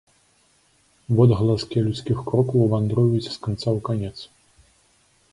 Водгаласкі людскіх крокаў вандруюць з канца ў канец.